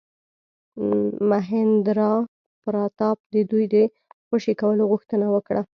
مهیندراپراتاپ د دوی د خوشي کولو غوښتنه وکړه.